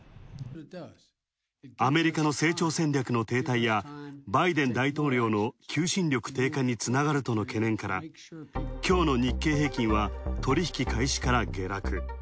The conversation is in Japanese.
アメリカの成長戦略の停滞や、バイデン大統領の求心力低下につながるとの懸念から、今日の日経平均は取引開始から下落。